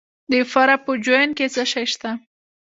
د فراه په جوین کې څه شی شته؟